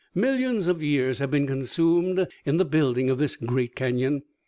"Millions of years have been consumed in the building of this great Canyon.